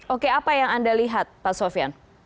oke apa yang anda lihat pak sofian